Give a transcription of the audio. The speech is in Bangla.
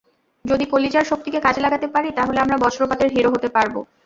যদি কলিজার শক্তিকে কাজে লাগাতে পারি, তাহলে আমরা বজ্রপাতের হিরো হতে পারব।